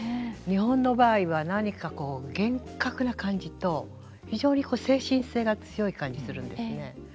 日本の場合は何かこう厳格な感じと非常に精神性が強い感じするんですね。